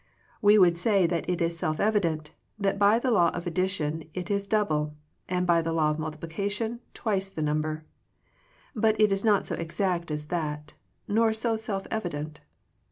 We would say that it is self evi dent, that by the law of addition it is double, and by the law of multiplication twice the number. But it is not so exact as that, nor so self evident.